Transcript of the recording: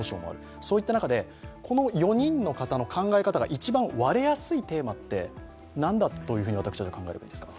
そういった中でこの４人の方の考え方が一番割れやすいテーマって何だと考えればいいですか。